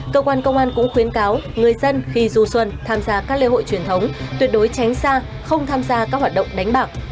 cơ quan công an cũng khuyến cáo người dân khi du xuân tham gia các lễ hội truyền thống tuyệt đối tránh xa không tham gia các hoạt động đánh bạc